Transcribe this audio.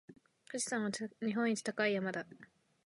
富士山は日本一高い山だ。